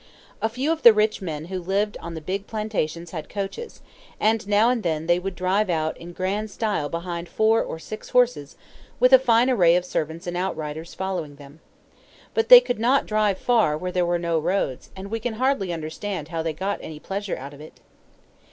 A few of the rich men who lived on the big plantations had coaches; and now and then they would drive out in grand style behind four or six horses, with a fine array of servants and outriders following them. But they could not drive far where there were no roads, and we can hardly understand how they got any pleasure out of it.